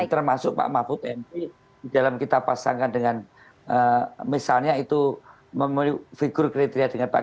termasuk pak mahfud md di dalam kita pasangkan dengan misalnya itu memiliki figur kriteria dengan pak